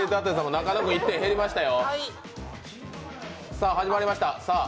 中野君、１点減りましたよ。